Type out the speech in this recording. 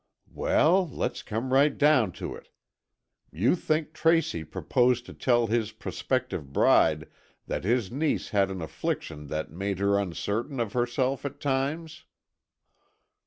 "Well, let's come right down to it. You think Tracy proposed to tell his prospective bride that his niece had an affliction that made her uncertain of herself at times?"